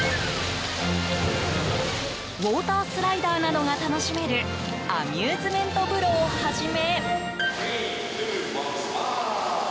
ウォータースライダーなどが楽しめるアミューズメント風呂をはじめ。